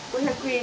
５００円。